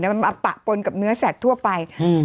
มันมาปะปนกับเนื้อสัตว์ทั่วไป